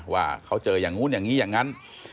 ว่าเขาเจออย่างนู้นอย่างนี้อย่างนั้น